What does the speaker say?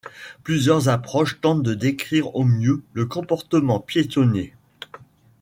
Plusieurs approches tentent de décrire au mieux le comportement piétonnier.